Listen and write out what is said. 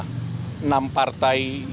enam partai yang berpengaruh di dalam ini